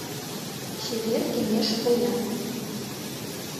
Чевер кеҥеж поян…